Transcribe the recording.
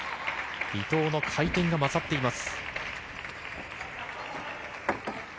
伊藤の回転が勝っています。